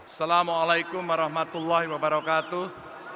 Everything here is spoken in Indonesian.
assalamu'alaikum warahmatullahi wabarakatuh